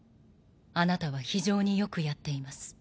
あなたは非常によくやっています。